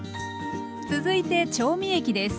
続いて調味液です。